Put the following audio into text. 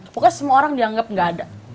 pokoknya semua orang dianggep gak ada